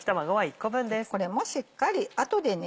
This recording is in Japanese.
これもしっかり後でね